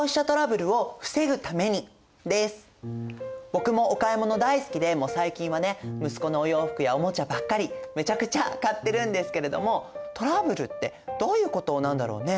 僕もお買い物大好きでもう最近はね息子のお洋服やおもちゃばっかりめちゃくちゃ買ってるんですけれどもトラブルってどういうことなんだろうね？